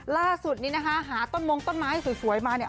ล่าสุดนี้นะคะหาต้นมงต้นไม้สวยมาเนี่ย